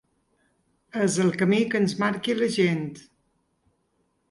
És el camí que ens marqui la gent.